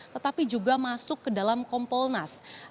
tetapi juga masuk ke dalam kompolnas